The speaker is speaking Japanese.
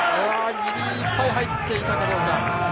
ギリギリいっぱい入っていたかどうか。